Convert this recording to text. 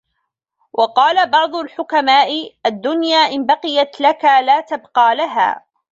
وَقَالَ بَعْضُ الْحُكَمَاءِ الدُّنْيَا إنْ بَقِيَتْ لَك لَا تَبْقَى لَهَا